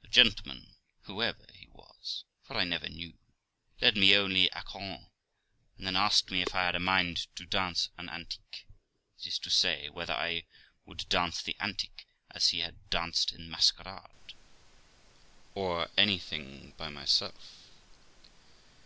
The gentleman, whoever he was, for I never knew, led me only a courant, and then asked me if I had a mind to dance an antic that is to say, whether I would dance the antic as they had danced in masquerade, or anything by myself.